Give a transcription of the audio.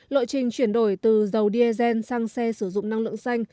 lộ trình chuyển đổi từ dầu diesel sang xe sử dụng năng lượng xanh